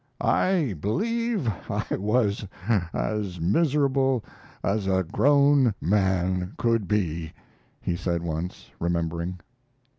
"I believe I was as miserable as a grown man could be," he said once, remembering.